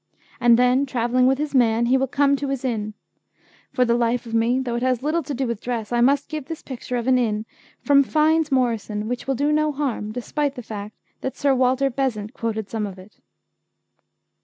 And then, travelling with his man, he will come to his inn. For the life of me, though it has little to do with dress, I must give this picture of an inn from Fynes Moryson, which will do no harm, despite the fact that Sir Walter Besant quoted some of it.